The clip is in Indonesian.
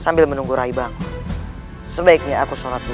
sambil menunggu rai bangun sebaiknya aku sholat dulu